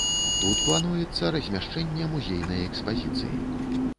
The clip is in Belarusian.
Тут плануецца размяшчэнне музейнай экспазіцыі.